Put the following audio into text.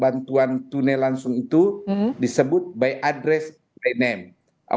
bantuan tunai langsung itu disebut by address by name